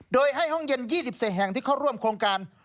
โดยให้ห้องเย็น๒๔แห่งที่เข้าร่วมโครงการ